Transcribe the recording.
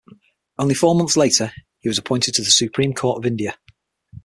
Only four months later, he was appointed to the Supreme Court of India.